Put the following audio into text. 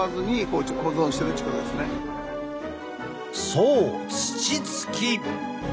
そう土つき。